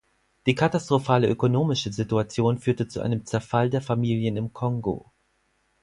Die katastrophale ökonomische Situation führte zu einem Zerfall der Familien im Kongo.